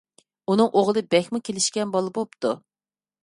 ئۇنىڭ ئوغلى بەكمۇ كېلىشكەن بالا بوپتۇ.